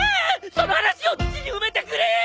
その話を土に埋めてくれぇ！